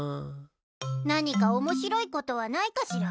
何か面白いことはないかしら？